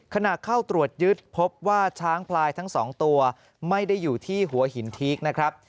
ขณะเข้าตรวจยึดพบว่าช้างพลายทั้งสองตัวไม่ได้อยู่ที่หัวหินทีกนะครับ